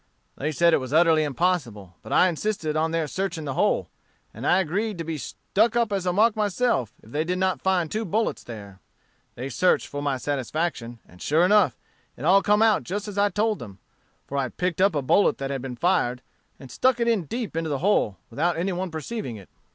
They said it was utterly impossible, but I insisted on their searching the hole, and I agreed to be stuck up as a mark myself, if they did not find two bullets there. They searched for my satisfaction, and sure enough it all come out just as I had told them; for I had picked up a bullet that had been fired, and stuck it deep into the hole, without any one perceiving it.